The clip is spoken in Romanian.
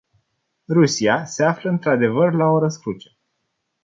Rusia se află, într-adevăr, la o răscruce.